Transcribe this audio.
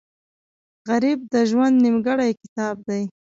غریب د ژوند نیمګړی کتاب دی